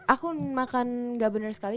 aku makan gak bener sekali